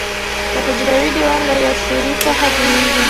د حجروي دیوال له یو سوري څخه تېریږي.